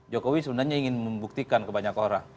jokowi sebenarnya ingin membuktikan kebanyakan orang